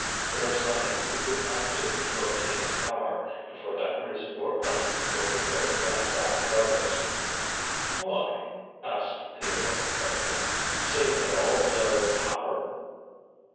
"There is nothing you would not do to obtain power, and for that reason your punishment will be greater than that of others." "Why?" asked Theodore tartly, "seeing that all desire power?"